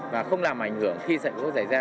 và không làm ảnh hưởng khi sự giải ra